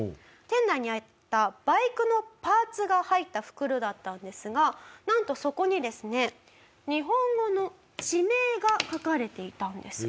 店内にあったバイクのパーツが入った袋だったんですがなんとそこにですね日本語の地名が書かれていたんです。